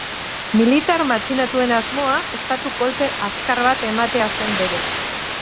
Militar matxinatuen asmoa estatu kolpe azkar bat ematea zen berez.